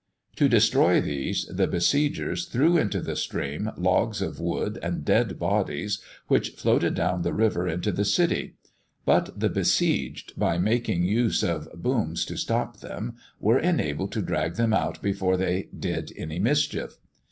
To destroy these, the besiegers threw into the stream logs of wood, and dead bodies, which floated down the river into the city; but the besieged, by making use of booms to stop them, were enabled to drag them out before they did any mischief.